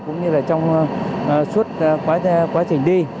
cũng như là trong suốt quá trình đi